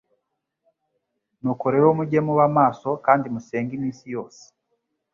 Nuko rero mujye muba maso kandi musenge iminsi yose."